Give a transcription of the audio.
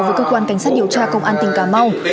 với cơ quan cảnh sát điều tra công an tỉnh cà mau